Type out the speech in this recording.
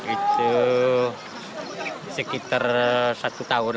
itu sekitar satu tahun